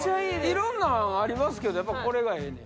いろんなのありますけどやっぱこれがええねや？